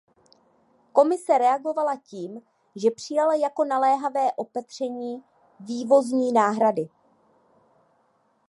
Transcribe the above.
Komise reagovala tím, že přijala jako naléhavé opatření vývozní náhrady.